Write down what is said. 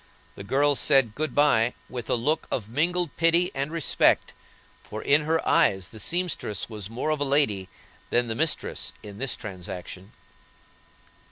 The girl said "Good bye," with a look of mingled pity and respect, for in her eyes the seamstress was more of a lady than the mistress in this transaction.